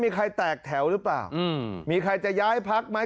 มีใครแตกแถวหรือเปล่ามีใครจะย้ายพักไหม